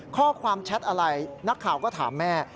แชทอะไรนักข่าวก็ถามแม่